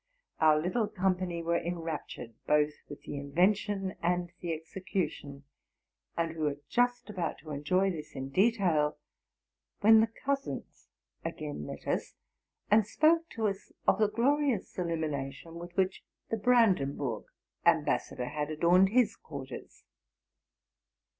Our little company were enraptured, both with the invention and the execution ; and we were just about to enjoy this in detail, when the cousins again met us, and spoke to us of the glorious illumi nation with which the Brandenburg ambassador had adorned his quarters.